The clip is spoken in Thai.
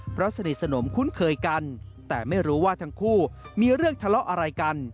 เพราะสนิทสนมคุ้นเคยกันแต่ไม่รู้ว่าทั้งคู่มีเรื่องทะเลาะอะไรกัน